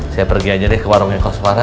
saya pergi aja deh ke warungnya koswara